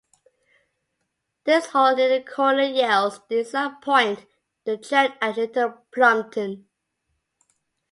The hole near the corner yields the exact point, the church at Little Plumpton.